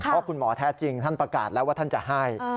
เพราะคุณหมอแท้จริงท่านประกาศแล้วว่าท่านจะให้